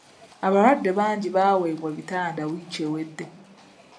Abalwadde bangi baaweebwa ebitanda wiiki ewedde.